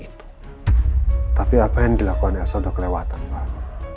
tapi apa yang dilakukan elsa udah kelewatan pak